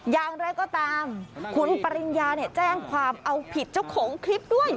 อย่างไรก็ตามคุณปริญญาเนี่ยแจ้งความเอาผิดเจ้าของคลิปด้วย